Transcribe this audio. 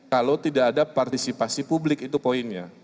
kalau tidak ada partisipasi publik itu poinnya